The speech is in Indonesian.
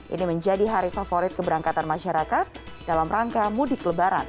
ini menjadi hari favorit keberangkatan masyarakat dalam rangka mudik lebaran